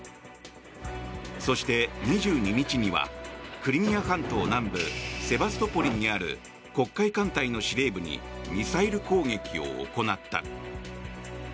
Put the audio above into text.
そして２２日にはクリミア半島南部セバストポリにある黒海艦隊の司令部にミサイル攻撃を行った。